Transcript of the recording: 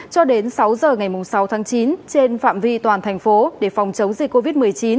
cho đến sáu giờ ngày sáu tháng chín trên phạm vi toàn thành phố để phòng chống dịch covid một mươi chín